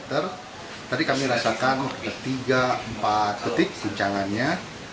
tadi kami rasakan tiga empat detik guncangannya